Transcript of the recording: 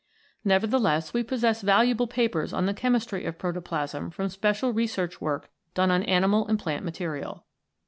Nevertheless, we possess valuable papers on the chemistry of protoplasm from special research work done on animal and plant material.